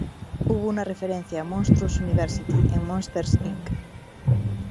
Hubo una referencia a "Monstruos University" en "Monsters, Inc.